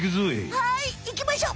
はいいきましょ！